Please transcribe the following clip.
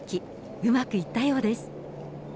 うまくいったようです。